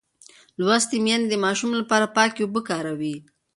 لوستې میندې د ماشوم لپاره پاکې اوبه کاروي.